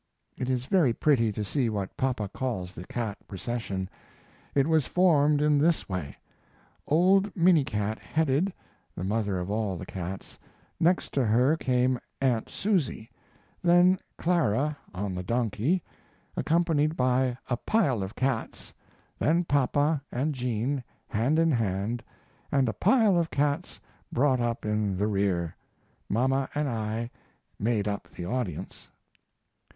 It is very pretty to see what papa calls the cat procession; it was formed in this way. Old Minniecat headed, (the mother of all the cats) next to her came aunt Susie, then Clara on the donkey, accompanied by a pile of cats, then papa and Jean hand in hand and a pile of cats brought up in the rear, mama and I made up the audience.